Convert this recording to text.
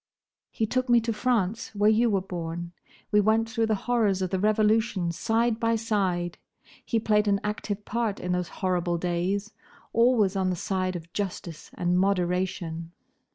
"He took me to France, where you were born. We went through the horrors of the Revolution side by side. He played an active part in those horrible days; always on the side of justice and moderation.